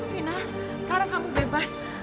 hina sekarang kamu bebas